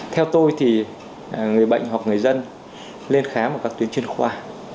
theo tôi thì người bệnh hoặc người dân lên khám ở các tuyến chuyên khoa